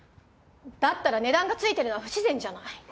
だったら値段がついてるのは不自然じゃない。